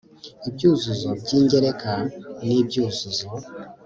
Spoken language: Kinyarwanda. ibyuzuzo by'ingereka ni ibyuzuzo